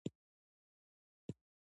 لکه غنم د زړه په سر چاودلی يمه